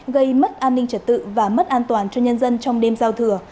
gây mất an ninh trật tự và mất an toàn cho nhân dân trong đêm giao thừa